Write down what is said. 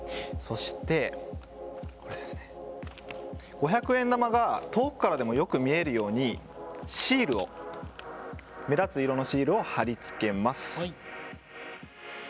そして、五百円玉が遠くからでもよく見えるように目立つ色のシールを貼り付けます。